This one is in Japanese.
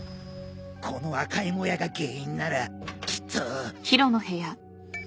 この赤いもやが原因ならきっと。